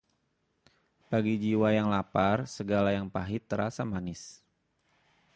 bagi jiwa yang lapar, segala yang pahit terasa manis.